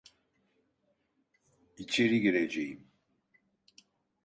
İçeri gireceğim.